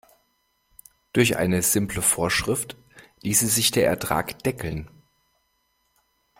Durch eine simple Vorschrift ließe sich der Ertrag deckeln.